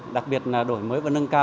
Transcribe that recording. đặc biệt là đổi mới và nâng cao